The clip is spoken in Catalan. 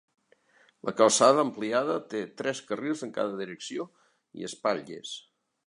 La calçada ampliada té tres carrils en cada direcció i espatlles.